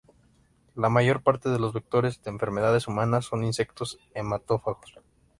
La mayor parte de los vectores de enfermedades humanas son insectos hematófagos.